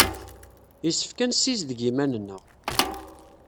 Yessefk ad nessizdig iman-nneɣ.